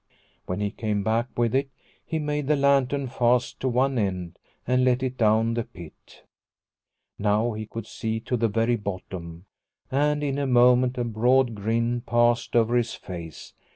When he came back with it, he made the lantern fast to one end, and let it down the pit. Now he could see to the very bottom, and in a moment a broad grin passed over his face.